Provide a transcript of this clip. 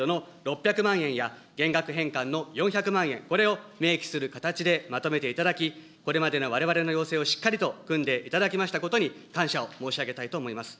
たたき台におきましても、就学支援新制度の６００万円や、減額返還の４００万円、これを明記する形で、まとめていただき、これまでのわれわれの要請をしっかりと組んでいただきましたことに感謝を申し上げたいと思います。